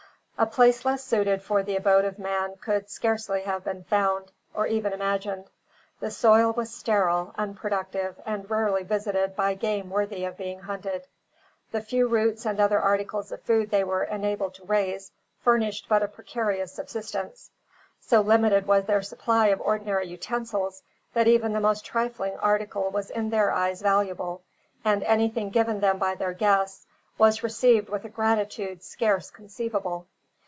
A place less suited for the abode of men could scarce have been found, or even imagined. The soil was sterile, unproductive, and rarely visited by game worthy of being hunted. The few roots and other articles of food they were enabled to raise, furnished but a precarious subsistence. So limited was their supply of ordinary utensils, that even the most trifling article was in their eyes valuable, and anything given them by their guests was received with a gratitude scarce conceivable.